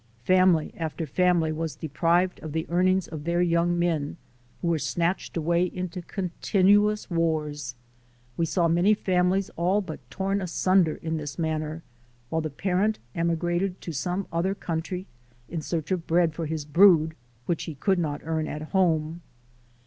Family after family was deprived of the earnings of their young men, who were snatched away into continuous wars. We saw many families all but torn asunder in this manner, while the parent emigrated to some other country in search of bread for his brood, which he could not earn at home.